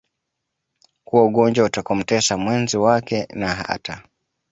kuwa ugonjwa utakaomtesa mwenzi wake na hata